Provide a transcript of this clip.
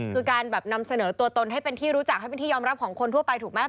คือการแบบนำเสนอตัวตนให้เป็นที่รู้จักให้เป็นที่ยอมรับของคนทั่วไปถูกไหม